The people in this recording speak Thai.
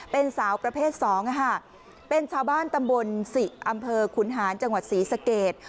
เป็นสาวประเภท๒เป็นชาวบ้านตำบลสิอำเภอขุนหานจังหวัดศรีสเกต